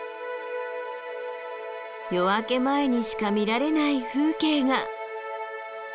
夜明け前にしか見られない風景が。